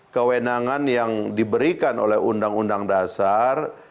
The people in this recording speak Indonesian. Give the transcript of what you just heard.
kewenangan yang diberikan oleh undang undang dasar